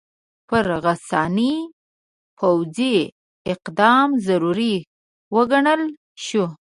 پر غساني پوځي اقدام ضروري وګڼل شو.